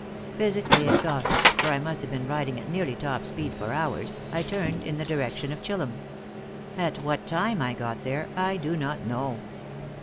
Physically exhausted, for I must have been riding at nearly top speed for hours, I turned in the direction of Chillum. At what time I got there I do not know."